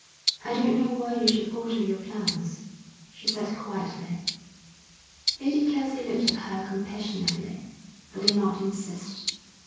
'I don't know why you should alter your plans,' she said quietly. Lady Kelsey looked at her compassionately, but did not insist.